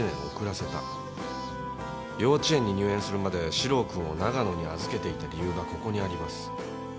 幼稚園に入園するまで士郎君を長野に預けていた理由がここにあります。